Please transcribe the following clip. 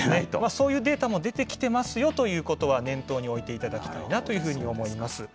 そういうデータも出てきてますよということは、念頭に置いていただきたいなというふうに思います。